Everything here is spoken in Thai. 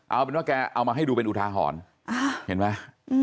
เอาเป็นว่าแกเอามาให้ดูเป็นอุทาหรณ์เห็นไหม